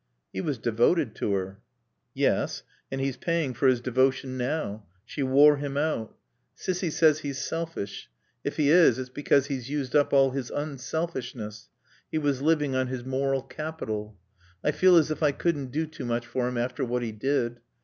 "He was devoted to her." "Yes. And he's paying for his devotion now. She wore him out.... Cissy says he's selfish. If he is, it's because he's used up all his unselfishness. He was living on his moral capital.... I feel as if I couldn't do too much for him after what he did.